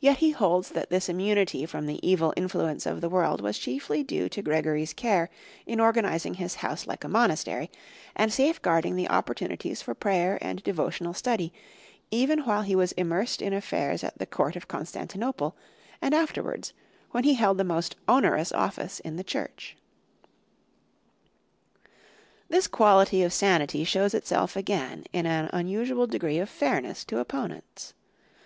Yet he holds that this immunity from the evil influence of the world was chiefly due to Gregory's care in organizing his house like a monastery and safeguarding the opportunities for prayer and devotional study, even while he was immersed in affairs at the court of Constantinople, and afterwards, when he held the most onerous office in the Church. This quality of sanity shows itself again in an unusual degree of fairness to opponents.